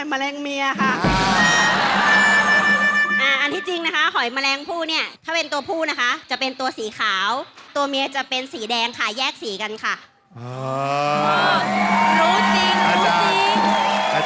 อันนี้คือหอยแมลงผู้อันนี้คือหอยแมลงเมียค่ะ